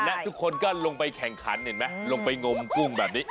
และทุกคนก็ลงไปแข่งขันเห็นไหมลงไปงมกุ้งแบบนี้